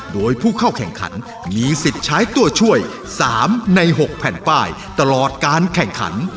โดยผู้เข้าแข่งขันมีสิทธิ์ใช้ตัวช่วย๓ใน๖แผ่นป้ายตลอดการแข่งขัน